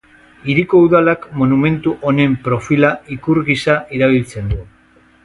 Hiriko Udalak monumentu honen profila ikur gisa erabiltzen du.